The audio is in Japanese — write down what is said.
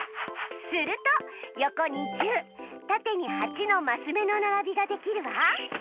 すると横に１０縦に８のマス目の並びができるわ。